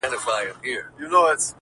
ګپونه ګرم دي غارمه ساړۀ ته نه ګوري څوک